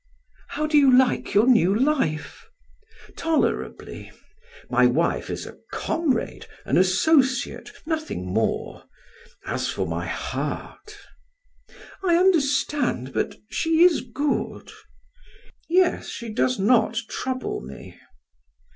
"How do you like your new life?" "Tolerably; my wife is a comrade, an associate, nothing more; as for my heart " "I understand; but she is good." "Yes, she does not trouble me."